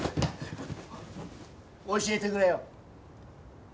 教えてくれよ。